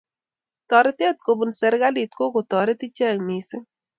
taretet kobun serekalit ko kotaret ichek mising